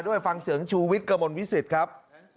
ฟังเสียงชูวิทย์กระมวลวิสิตครับ